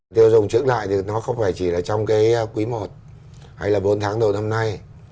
tiêu dùng trứng lại thì nó không phải chỉ là trong cái quý i hay là bốn tháng đầu năm nay